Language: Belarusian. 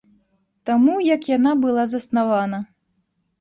Таму як яна была заснавана.